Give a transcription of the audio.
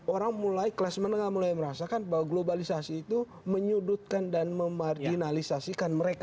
orang mulai kelas menengah mulai merasakan bahwa globalisasi itu menyudutkan dan memarginalisasikan mereka